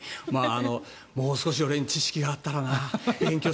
もう少し俺に知識があったらな。